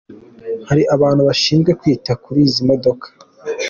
Hari abantu bashinzwe kwita kuri izi modoka.